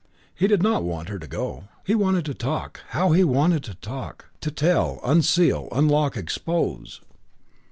He did not want her to go. He wanted to talk how he wanted to talk! to tell, unseal, unlock, expose.